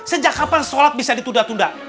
sejak kapan sholat bisa ditunda tunda